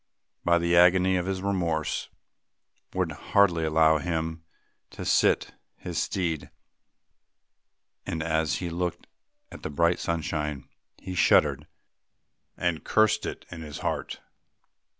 But the agony of his remorse would hardly allow him to sit his steed and, as he looked at the bright sunshine, he shuddered and cursed it in his heart.